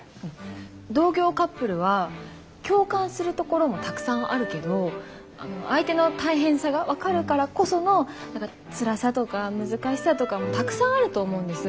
同業カップルは共感するところもたくさんあるけど相手の大変さが分かるからこその何かつらさとか難しさとかもたくさんあると思うんです。